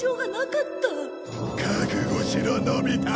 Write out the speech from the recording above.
覚悟しろのび太！